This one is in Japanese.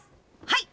はい！